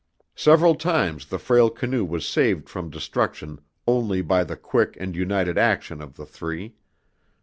Several times the frail canoe was saved from destruction only by the quick and united action of the three.